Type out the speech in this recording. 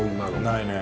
ないね。